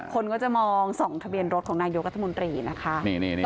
คนก็จะมองส่องทะเบียนรถของนายกรัฐมนตรีนะคะ